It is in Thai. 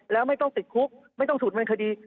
แล้วไม่ต้องติดคุกไม่ต้องถูกดำเนินคดี